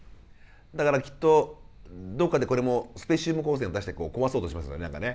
だからきっとどっかでこれもスペシウム光線を出して壊そうとしてますよね何かね。